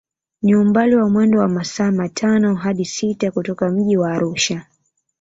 Ni umbali wa mwendo wa masaa matano hadi sita kutoka mji wa Arusha